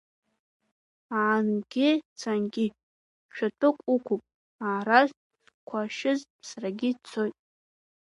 Аангьы цангьы шәатәык уқәуп, аара зқәашьыз ԥсрагьы дцоит.